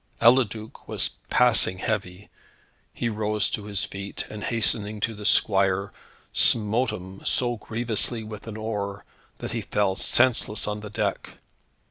Eliduc was passing heavy. He rose to his feet, and hastening to his squire, smote him so grievously with an oar, that he fell senseless on the deck.